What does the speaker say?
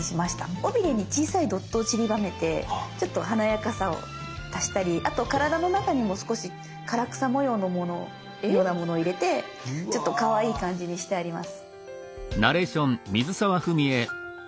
尾ビレに小さいドットをちりばめてちょっと華やかさを足したりあと体の中にも少し唐草模様のようなものを入れてちょっとかわいい感じにしてあります。